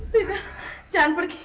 tolong jangan pergi